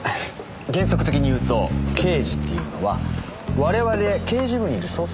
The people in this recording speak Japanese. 原則的に言うと刑事っていうのは我々刑事部にいる捜査員だけなんですよ。